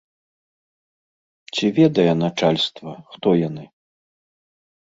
Ці ведае начальства, хто яны?